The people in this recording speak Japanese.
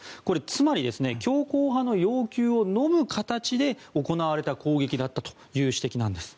つまり、強硬派の要求を呑む形で行われた攻撃だったという指摘なんです。